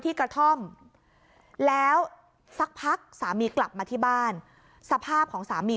กระท่อมแล้วสักพักสามีกลับมาที่บ้านสภาพของสามี